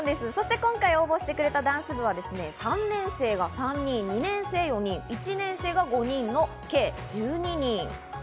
そして、今回応募してくれたダンス部は３年生が３人、２年生が４人、１年生が５人の計１２人。